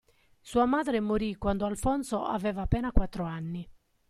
Sua madre morì quando Alfonso aveva appena quattro anni.